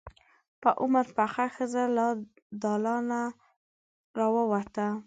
په عمر پخه ښځه له دالانه راووته.